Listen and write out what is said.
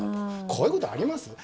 こういうことあります？